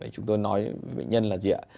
chúng tôi nói bệnh nhân là gì ạ